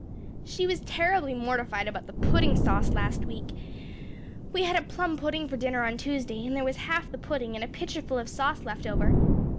She was terribly mortified about the pudding sauce last week. We had a plum pudding for dinner on Tuesday and there was half the pudding and a pitcherful of sauce left over.